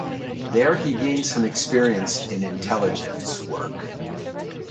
There he gained some experience in intelligence work.